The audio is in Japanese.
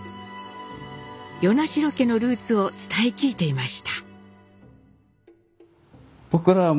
与那城家のルーツを伝え聞いていました。